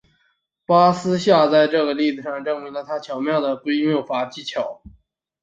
巴斯夏在这个例子上也证明了他巧妙的归谬法技巧。